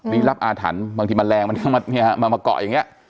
นี่รับอาถรรพ์บางทีมันแรงมันมาเกาะอย่างนี้